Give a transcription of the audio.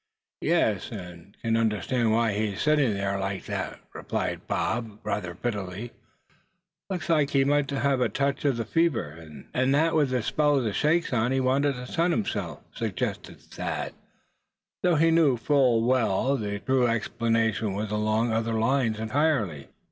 "Yes, and can understand why he's sitting there like that," replied the other, rather bitterly. "Looks like he might have a touch of the fever and ague, and that with a spell of the shakes on, he wanted to sun himself," suggested Thad; though he knew full well the true explanation was along other lines entirely.